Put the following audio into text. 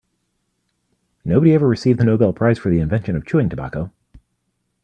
Nobody ever received the Nobel prize for the invention of chewing tobacco.